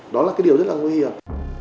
đó là cái điều rất là nguy hiểm